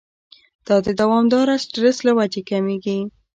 دا د دوامداره سټرېس له وجې کميږي